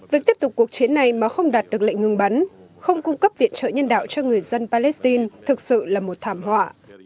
việc tiếp tục cuộc chiến này mà không đạt được lệnh ngừng bắn không cung cấp viện trợ nhân đạo cho người dân palestine thực sự là một thảm họa